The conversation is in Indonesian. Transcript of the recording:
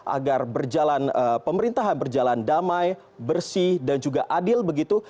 agar pemerintahan berjalan damai bersih dan juga adil begitu